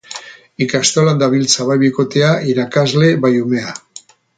Ikastolan dabiltza bai bikotea, irakasle, bai umea.